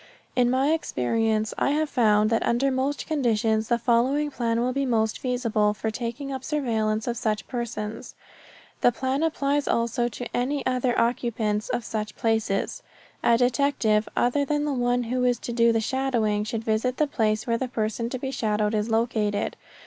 In my experience I have found that under most conditions the following plan will be most feasible for taking up surveillance of such persons. The plan applies also to any other occupants of such places. A detective other than the one who is to do the shadowing should visit the place where the person to be shadowed is located.